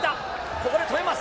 ここで止めます。